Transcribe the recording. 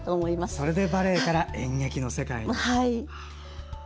それでバレエから演劇の世界に。